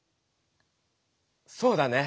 そうだね。